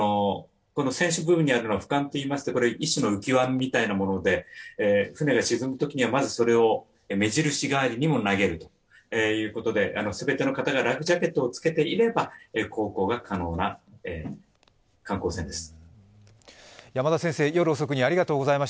船首部分にあるのは、一種の浮き輪みたいなもので船が沈むときにはまずそれを目印代わりにも投げるということで、全ての方がライフジャケットをつけていれば、航行が可能な観光船です。